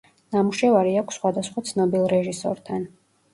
ნამუშევარი აქვს სხვადასხვა ცნობილ რეჟისორთან.